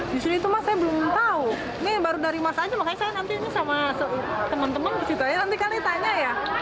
di sini itu mas saya belum tahu ini baru dari mas aja makanya saya nanti ini sama teman teman disitu aja nanti kali tanya ya